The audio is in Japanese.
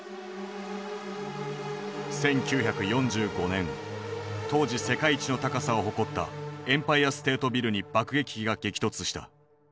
１９４５年当時世界一の高さを誇ったエンパイアステートビルに爆撃機が激突した。